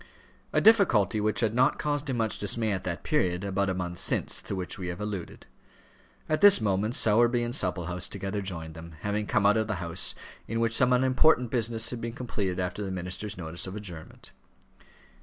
A difficulty which had not caused him much dismay at that period, about a month since, to which we have alluded. At this moment Sowerby and Supplehouse together joined them, having come out of the House, in which some unimportant business had been completed after the minister's notice of adjournment.